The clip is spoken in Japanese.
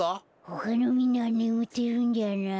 ほかのみんなはねむってるんじゃない？